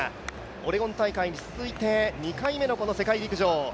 オレゴン大会に続いて２回目のこの世界陸上。